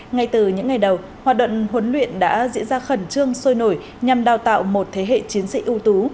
ngay từ những ngày đầu hoạt động huấn luyện đã diễn ra khẩn trương sôi nổi nhằm đào tạo một thế hệ chiến sĩ ưu tú